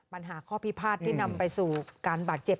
ปัญหาข้อพิพาทที่นำไปสู่การบาดเจ็บ